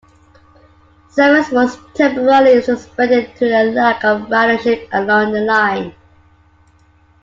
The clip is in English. Service was "temporarily" suspended due to a lack of ridership along the line.